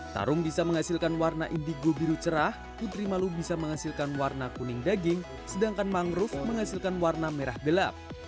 tarung bisa menghasilkan warna indigo biru cerah putri malu bisa menghasilkan warna kuning daging sedangkan mangrove menghasilkan warna merah gelap